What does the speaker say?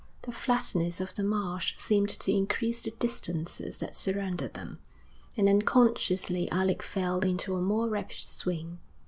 The flatness of the marsh seemed to increase the distances that surrounded them, and unconsciously Alec fell into a more rapid swing.